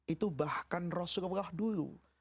itu bahkan rasulullah dulu